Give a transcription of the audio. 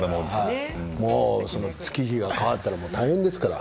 月日が変わったら大変ですから。